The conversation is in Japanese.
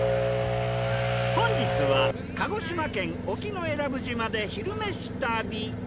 本日は鹿児島県沖永良部島で「昼めし旅」。